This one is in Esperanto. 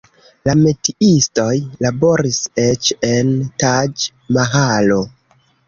La metiistoj laboris eĉ en Taĝ-Mahalo.